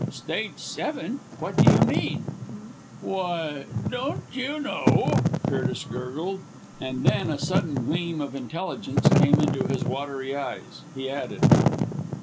"Stage seven! What do you mean?" "Why don't you know!" Curtis gurgled and then a sudden gleam of intelligence coming into his watery eyes, he added.